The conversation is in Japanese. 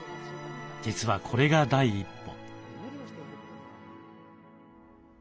実はこれが第一歩。